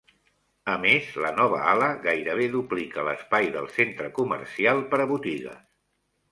A més, la nova ala gairebé duplica l'espai del centre comercial per a botigues.